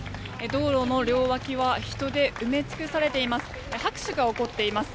道路の両脇は人で埋め尽くされています。